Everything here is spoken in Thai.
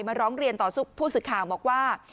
ร้องเรียนต่อผู้สื่อข่าวบอกว่า